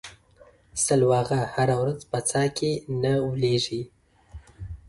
سلواغه هره ورځ په څا کې نه ولېږي.